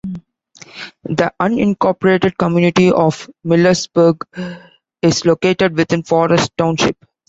The unincorporated community of Millersburg is located within Forest Township.